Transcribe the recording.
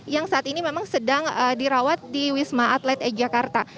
yang saat ini memang sedang dirawat di wisma atlet e jakarta